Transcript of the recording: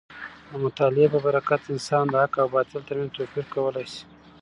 د مطالعې په برکت انسان د حق او باطل تر منځ توپیر کولی شي.